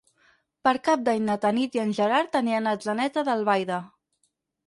Per Cap d'Any na Tanit i en Gerard aniran a Atzeneta d'Albaida.